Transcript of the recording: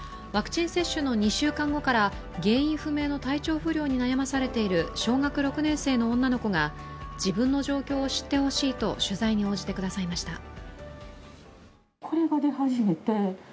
ワクチン接種の２週間後から原因不明の体調不良に悩まされている小学６年生の女の子が自分の状況を知ってほしいと取材に応じてくださいました。